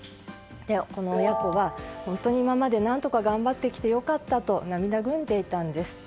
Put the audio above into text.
この親子は本当に今まで何とか頑張ってきてよかったと涙ぐんでいたんです。